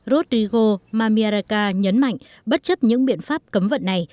rodrigo mamiraca nhấn mạnh bất chấp những biện pháp cấm vận này